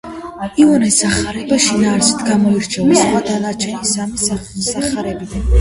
იოანეს სახარება შინაარსით გამოირჩევა სხვა დანარჩენი სამი სახარებიდან.